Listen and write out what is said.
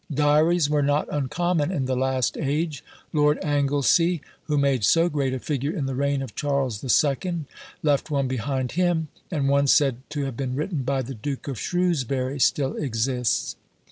Diaries were not uncommon in the last age: Lord Anglesea, who made so great a figure in the reign of Charles the Second, left one behind him; and one said to have been written by the Duke of Shrewsbury still exists.